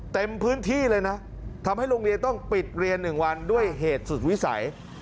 เต็มพื้นที่เลยนะทำให้โรงเรียนต้องปิดเรียน๑วันด้วยเหตุสุดวิสัย